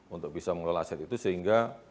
untuk bisa mengelola aset itu sehingga